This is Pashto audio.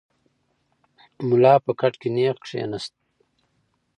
ملا په کټ کې نېغ کښېناست.